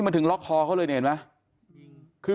มันถึงล็อกคอเขาเลยเนี่ยเห็นไหม